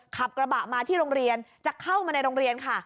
ขับกระบะมาที่โรงเรียนจะเข้ามาในโรงเรียนค่ะ